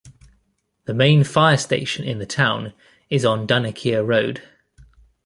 The main fire station in the town is on Dunnikier Road.